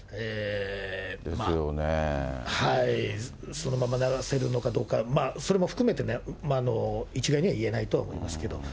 そのまま流せるのかどうか、それも含めてね、一概には言えないと思いますけど。